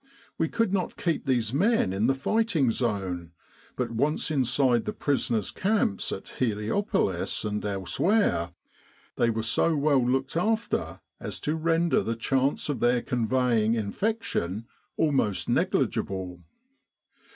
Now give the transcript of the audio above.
We could not keep these men in the fighting zone, but once inside the prisoners' camps at Heliopolis and elsewhere, they were so well looked after as to render the chance of their conveying in fection almost negligible.